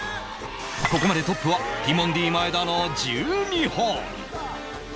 ここまでトップはティモンディ前田の１２本